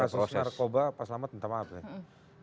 tapi dalam kasus narkoba pak selamat minta maaf ya